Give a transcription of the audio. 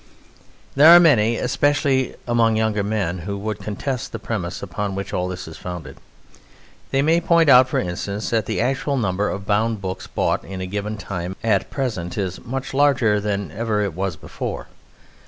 There are many, especially among younger men, who would contest the premiss upon which all this is founded. They may point out, for instance, that the actual number of bound books bought in a given time at present is much larger than ever it was before.